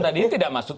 tadi tidak masuk